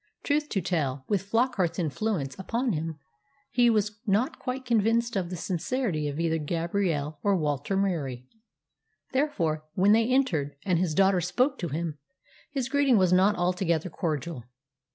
Truth to tell, with Flockart's influence upon him, he was not quite convinced of the sincerity of either Gabrielle or Walter Murie. Therefore, when they entered, and his daughter spoke to him; his greeting was not altogether cordial.